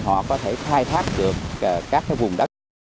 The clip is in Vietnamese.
họ có thể khai thác được các vùng đất